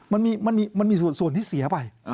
มันมีส่วนที่เสียไป